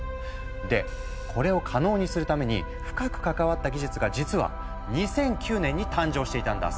でこれを可能にするために深く関わった技術が実は２００９年に誕生していたんだ。